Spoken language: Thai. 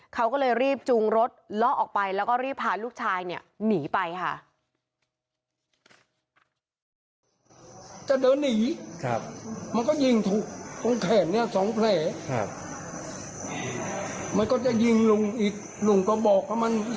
เขาก็เลยรีบจูงรถเลาะออกไปแล้วก็รีบพาลูกชายเนี่ยหนีไปค่ะ